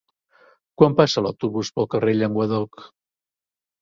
Quan passa l'autobús pel carrer Llenguadoc?